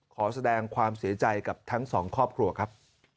ขอแสดงความเสียใจกับทั้งสองครอบครัวครับ